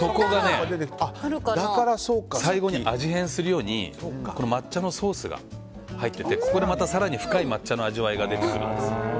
最後に味変するように抹茶のソースが入っててここでまた更に深い抹茶の味わいが出てくるんです。